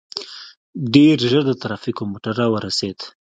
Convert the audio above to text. ډېر ژر د ټرافيکو موټر راورسېد.